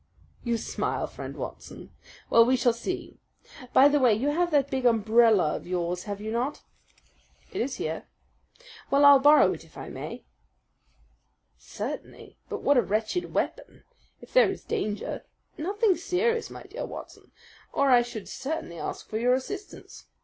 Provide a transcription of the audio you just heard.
You smile, Friend Watson. Well, we shall see. By the way, you have that big umbrella of yours, have you not?" "It is here." "Well, I'll borrow that if I may." "Certainly but what a wretched weapon! If there is danger " "Nothing serious, my dear Watson, or I should certainly ask for your assistance.